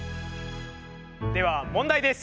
では問題です。